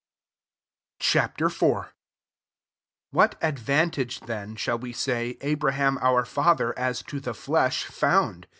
Ch. IV. 1 What advantage then, shall we say, Abraham, our father as to the flesh, found?